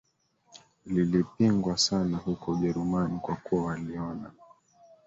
lilipingwa sana huko Ujerumani kwa kuwa waliona